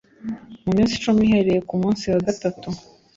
mu minsi icumi uhereye ku munsi wa gatatu